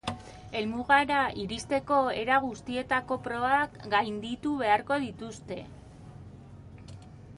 Helmugara iristeko, era guztietako probak gainditu beharko dituzte.